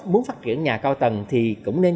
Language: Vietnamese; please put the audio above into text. muốn phát triển nhà cao tầng thì cũng nên